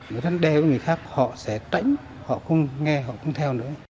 nếu rất đeo với người khác họ sẽ tránh họ không nghe họ không theo nữa